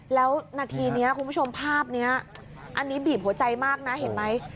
แล้วนาทีนี้คุณผู้ชมภาพนี้อันนี้บีบหัวใจมากนะเห็นไหม